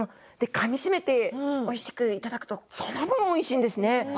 かみしめておいしくいただくとすごくおいしいんですね。